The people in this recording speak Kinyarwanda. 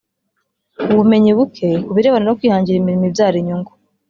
ubumenyi buke ku birebana no kwihangira imirimo ibyara inyungu